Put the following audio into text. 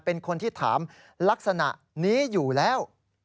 เป็นคนที่ถามลักษณะนี้อยู่แล้ว